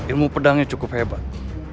ilmu pedangnya cukup hebat